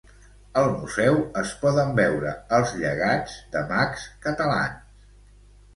Al museu es poden veure els llegats de mags catalans.